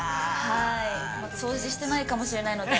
◆掃除してないかもしれないので。